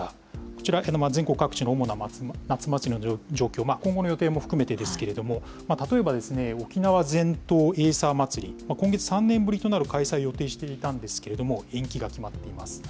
こちら、全国各地の主な夏祭りの状況、今後の予定も含めてですけれども、例えば、沖縄全島エイサーまつり、今月３年ぶりとなる開催を予定していたんですけれども、延期が決まっています。